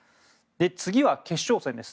次は決勝戦です。